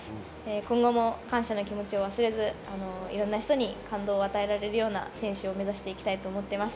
今後も感謝の気持ちを忘れず、いろんな人に感動を与えられるような選手を目指していきたいと思っています。